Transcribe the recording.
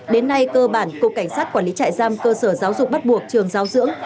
đến nay cơ bản cục cảnh sát quản lý trại giam cơ sở giáo dục bắt buộc trường giáo dưỡng